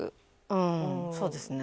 うんそうですね